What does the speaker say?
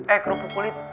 eh kerupuk kulit